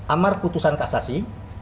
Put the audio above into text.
amar putusan kasasi